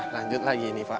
lanjut lagi ini pak